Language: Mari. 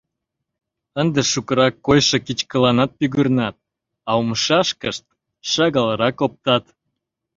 Ынде шукырак койшо кичкыланат пӱгырнат, а умшашкышт шагалрак оптат.